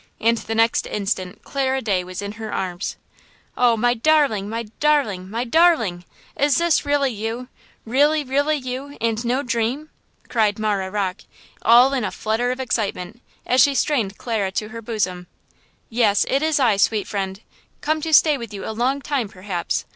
And the next instant Clara Day was in her arms. "Oh, my darling! my darling! my darling! is this really you? Really, really you, and no dream?" cried Marah Rocke, all in a flutter of excitement, as she strained Clara to her bosom. "Yes, it is I, sweet friend, come to stay with you a long time, perhaps."